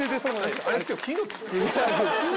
あれ？